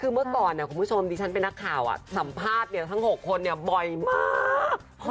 คือเมื่อก่อนคุณผู้ชมที่ฉันเป็นนักข่าวสัมภาษณ์ทั้ง๖คนบ่อยมาก